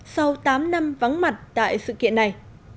sau tám năm vắng mặt tại sự kiện này